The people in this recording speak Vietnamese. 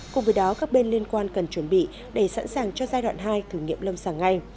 cùng với đó các bên liên quan cần chuẩn bị để sẵn sàng cho giai đoạn hai thử nghiệm lâm sàng ngay